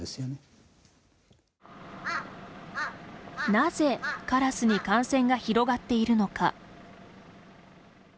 なぜ、カラスに感染が広がっているのか。